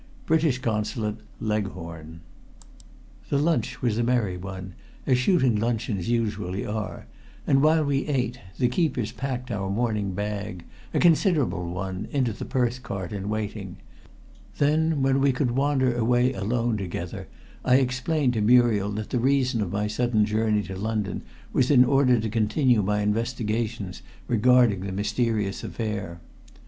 British Consulate, Leghorn"_ The lunch was a merry one, as shooting luncheons usually are, and while we ate the keepers packed our morning bag a considerable one into the Perth cart in waiting. Then, when we could wander away alone together, I explained to Muriel that the reason of my sudden journey to London was in order to continue my investigations regarding the mysterious affair.